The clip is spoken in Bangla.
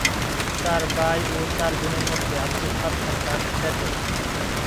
চার ভাই ও চার বোনের মধ্যে আব্দুস সাত্তার খান সেজ।